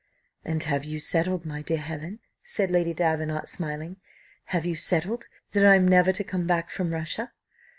"And have you settled, my dear Helen," said Lady Davenant, smiling, "have you settled that I am never to come back from Russia?